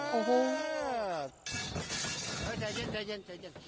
เอ้าจัยเย็นจัยเย็น